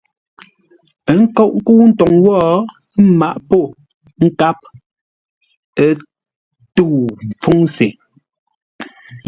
Ə́ nkóʼ ńkə́u ntoŋ wó, ə́ mǎʼ pô ńkáp, a tə̂u ḿpfúŋ se.